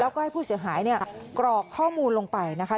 แล้วก็ให้ผู้เสียหายกรอกข้อมูลลงไปนะคะ